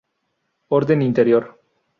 Orden Interior.